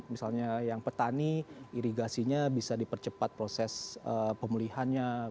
misalnya yang petani irigasinya bisa dipercepat proses pemulihannya